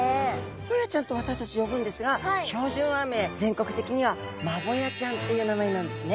「ホヤちゃん」と私たち呼ぶんですが標準和名全国的にはマボヤちゃんという名前なんですね。